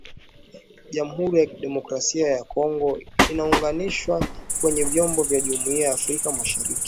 jamhuri ya kidemokrasia ya Kongo inaunganishwa kwenye vyombo vya jumuia ya Afrika mashariki